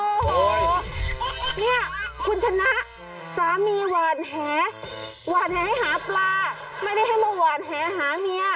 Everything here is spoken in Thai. โอ้โหเนี่ยคุณชนะสามีหวานแหหวานแหให้หาปลาไม่ได้ให้มาหวานแหหาเมีย